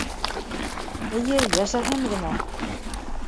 Эйе, йәшәһен генә!